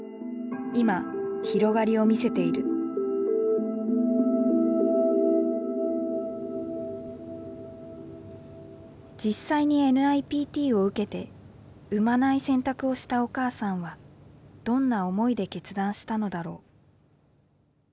今広がりを見せている実際にＮＩＰＴを受けて生まない選択をしたお母さんはどんな思いで決断したのだろう。